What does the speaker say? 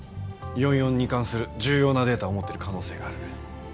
４４に関する重要なデータを持ってる可能性がある。